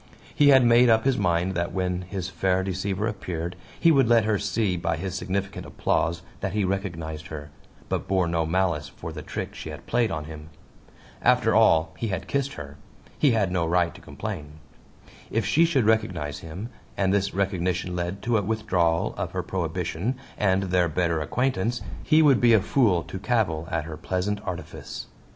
He had made up his mind that when his fair deceiver appeared he would let her see by his significant applause that he recognized her, but bore no malice for the trick she had played on him. After all, he had kissed her he had no right to complain. If she should recognize him, and this recognition led to a withdrawal of her prohibition, and their better acquaintance, he would be a fool to cavil at her pleasant artifice.